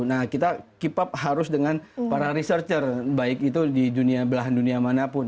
nah kita keep up harus dengan para researcher baik itu di dunia belahan dunia manapun